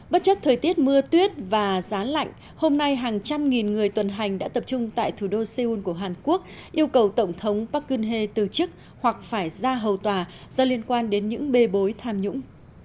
bất chấp thời tiết mưa tuyết và giá lạnh hôm nay hàng trăm nghìn người tuần hành đã tập trung tại thủ đô seoul của hàn quốc yêu cầu tổng thống park gun hee từ chức hoặc phải ra hầu tòa do liên quan đến những bê bối tham nhũng